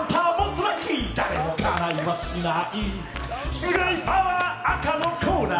すごいパワー、赤のコーナー